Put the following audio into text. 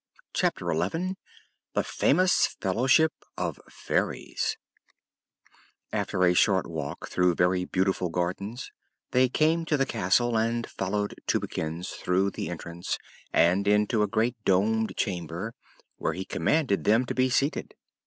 Chapter Eleven The Famous Fellowship of Fairies After a short walk through very beautiful gardens they came to the castle and followed Tubekins through the entrance and into a great domed chamber, where he commanded them to be seated.